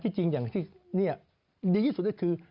จริงอย่างที่ดีที่สุดก็คือ